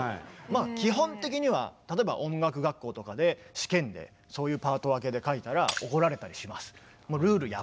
基本的には例えば音楽学校とかで試験でそういうパート分けで書いたら怒られたりします。